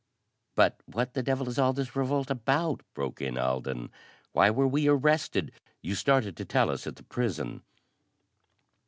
"But what the devil is all this revolt about?" broke in Alden. "Why were we arrested? You started to tell us at the prison."